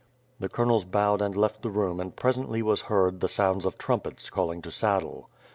The colonels bowed and left the room and presently was heard the sounds of trumpets calling to saddle.